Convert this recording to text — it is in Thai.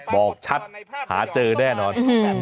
บอกชัดหาเจอแน่นอน